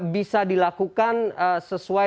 bisa dilakukan sesuai